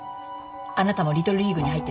「あなたもリトルリーグに入ってた？」